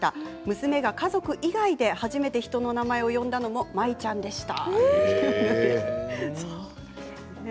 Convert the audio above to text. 娘が家族以外で初めて人の名前を呼んだのも舞ちゃんでした。